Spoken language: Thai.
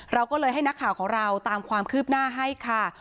เราก็เลยให้นักข่าวของเราตามความคืบหน้าให้ค่ะ